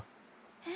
えっ？